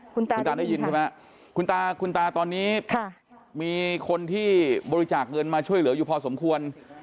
คุณตาคุณตาได้ยินใช่ไหมคุณตาคุณตาตอนนี้มีคนที่บริจาคเงินมาช่วยเหลืออยู่พอสมควร